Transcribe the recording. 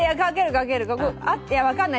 分からない